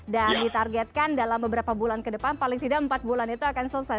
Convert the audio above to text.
dan ditargetkan dalam beberapa bulan ke depan paling tidak empat bulan itu akan selesai